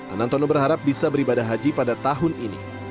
anantono berharap bisa beribadah haji pada tahun ini